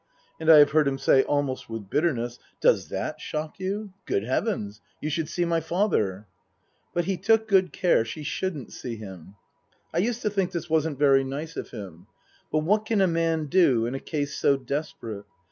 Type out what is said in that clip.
And I have heard him say almost with bitterness :" Does that shock you ? Good Heavens, you should see my father !" But he took good care she shouldn't see him. I used to think this wasn't very nice of him. But what can a man do in a case so desperate